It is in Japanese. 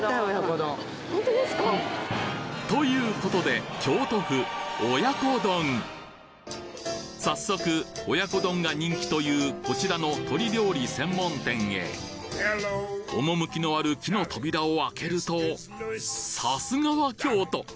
ほんとですか？という事で早速親子丼が人気というこちらの鶏料理専門店へ趣のある木の扉を開けるとさすがは京都！